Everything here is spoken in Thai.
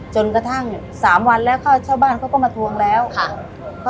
จนกระทั่งสามวันแล้วค่าเช่าบ้านเขาก็มาทวงแล้วค่ะ